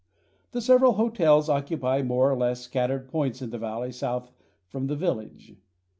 The several hotels occupy more or less scattered points in the valley south from the village.